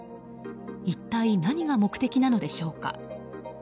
一体何が目的なのでしょうか。